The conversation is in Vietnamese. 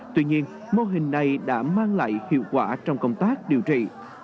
tuy nhiên mô hình này đã mang lại hiệu quả trong công tác điều trị